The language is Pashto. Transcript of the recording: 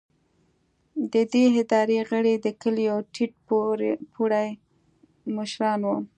د دې ادارې غړي د کلیو ټیټ پوړي مشران وو.